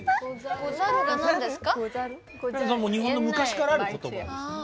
日本の昔からある言葉ですね。